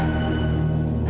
aku kalau malebon